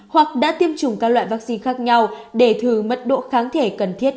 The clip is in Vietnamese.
hoặc đã tiêm chủng các loại vắc xin khác nhau để thử mất độ kháng thể cần thiết